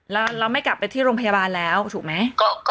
แล้วเราไม่กลับไปที่โรงพยาบาลแล้วถูกไหม